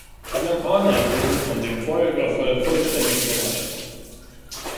Die Japaner wurden von dem Feuerüberfall vollständig überrascht.